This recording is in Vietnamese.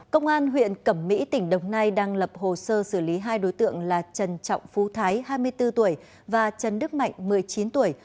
công an huyện cẩm mỹ tỉnh đồng nai đang lập hồ sơ xử lý hai đối tượng là trần trọng phú thái hai mươi bốn tuổi và trần đức mạnh một mươi chín tuổi